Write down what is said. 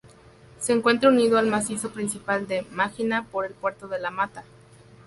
Se encuentra unido al macizo principal de Mágina por el puerto de La Mata.